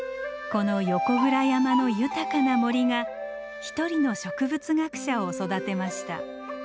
この横倉山の豊かな森が１人の植物学者を育てました。